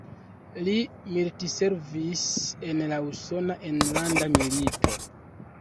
Li militservis en la Usona Enlanda Milito.